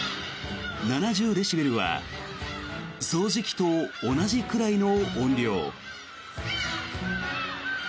７０デシベルは掃除機と同じくらいの音量。